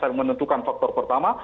saya menentukan faktor pertama